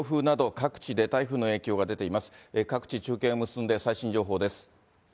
各地、中継を結んで最新情報です。